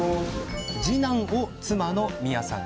次男を妻のみやさん